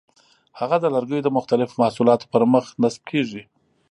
هغه د لرګیو د مختلفو محصولاتو پر مخ نصب کېږي.